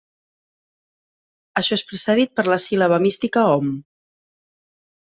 Això és precedit per la síl·laba mística Om.